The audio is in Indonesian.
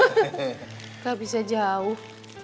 enggak bisa jauh